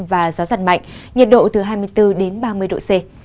và gió giật mạnh nhiệt độ từ hai mươi bốn đến ba mươi độ c